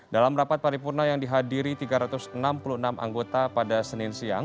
dalam rapat paripurna yang dihadiri tiga ratus enam puluh enam anggota pada senin siang